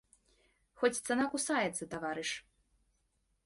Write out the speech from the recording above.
Хоць цана кусаецца, таварыш.